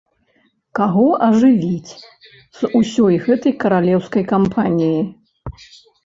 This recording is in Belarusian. Каго ажывіць з усёй гэтай каралеўскай кампаніі?